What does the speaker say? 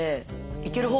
いける方？